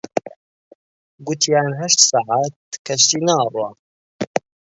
گوتیان هەشت سەعات کەشتی ناڕوا